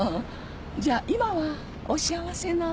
じゃあ今はお幸せなの？